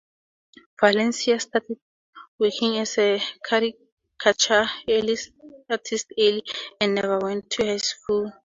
Valencia started working as a caricature artist early, and never went to high school.